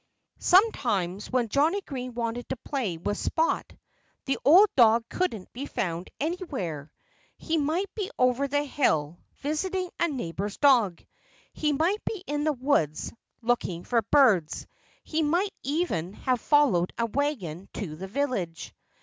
Sometimes when Johnnie Green wanted to play with Spot the old dog couldn't be found anywhere. He might be over the hill, visiting a neighbor's dog. He might be in the woods, looking for birds. He might even have followed a wagon to the village.